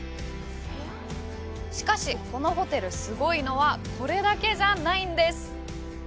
しかし、このホテル、すごいのはこれだけじゃないんです。